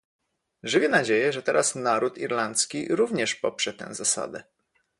Żywię nadzieję, że teraz naród irlandzki również poprze tę zasadę